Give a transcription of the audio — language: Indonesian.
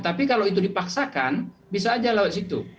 tapi kalau itu dipaksakan bisa aja lewat situ